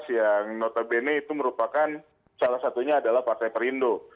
yang notabene itu merupakan salah satunya adalah partai perindo